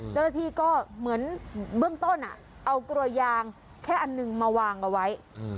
จุฬทรรภีก็เหมือนเบื้องต้นอ่ะเอากรวยางแค่อันนึงมาวางไว้